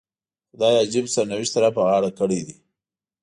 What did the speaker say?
خدای عجیب سرنوشت را په غاړه کړی دی.